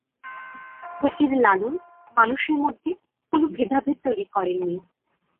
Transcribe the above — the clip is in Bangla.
ফকির লালন মানুষের মধ্যে কোনো ভেদাভেদ তৈরি করেননি।